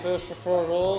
jadi itu menarik